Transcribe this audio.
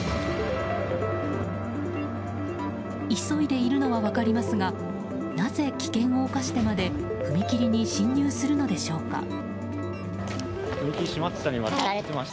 急いでいるのは分かりますがなぜ危険を冒してまで踏切に進入するのでしょうか。